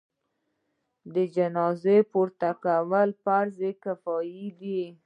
د جنازې پورته کول فرض کفایي دی.